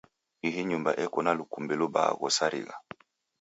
Ihii nyumba eko na lukumbi lubaha gho sarigha.